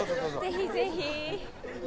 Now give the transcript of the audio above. ぜひぜひ。